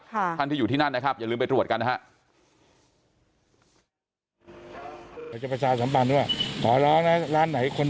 ท่านที่อยู่ที่นั่นนะครับอย่าลืมไปตรวจกันนะฮะ